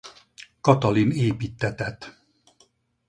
Katalin építtetett.